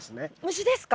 虫ですか？